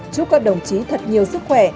chúc các đồng chí thật nhiều sức khỏe